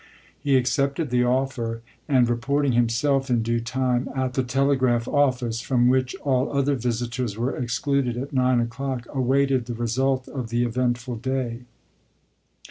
He accepted the offer ; and reporting himself in due time at the telegraph office, from which all other visitors were excluded at 9 o'clock, awaited the result of the eventful day.